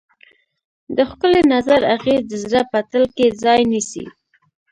د ښکلي نظر اغېز د زړه په تل کې ځای نیسي.